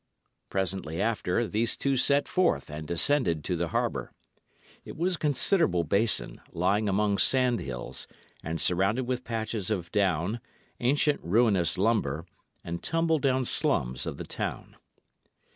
Presently after, these two set forth and descended to the harbour. It was a considerable basin, lying among sand hills, and surrounded with patches of down, ancient ruinous lumber, and tumble down slums of the town.